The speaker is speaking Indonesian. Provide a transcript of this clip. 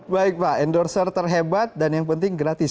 baik pak endorser terhebat dan yang penting gratis